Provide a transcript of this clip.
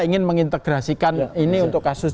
ingin mengintegrasikan ini untuk kasus